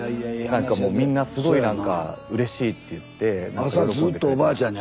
何かもうみんなすごい何かうれしいって言って喜んでくれてます。